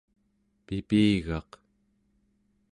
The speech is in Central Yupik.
pipigaq